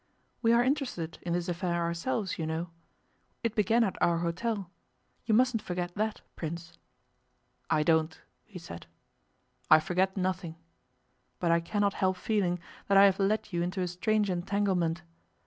'We are interested in this affair ourselves, you know. It began at our hotel you mustn't forget that, Prince.' 'I don't,' he said. 'I forget nothing. But I cannot help feeling that I have led you into a strange entanglement.